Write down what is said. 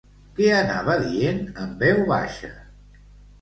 Què anava dient en veu baixa?